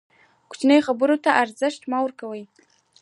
کوچنۍ خبرو ته ارزښت مه ورکوئ!